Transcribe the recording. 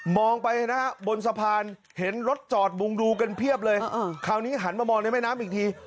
ไปนะฮะบนสะพานเห็นรถจอดมุงดูกันเพียบเลยคราวนี้หันมามองในแม่น้ำอีกที